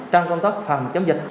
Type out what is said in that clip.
trong công tác phòng chống dịch